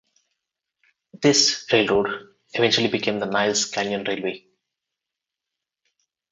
This railroad eventually became the Niles Canyon Railway.